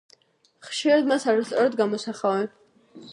ხშირად მას არასწორად გამოსახავენ.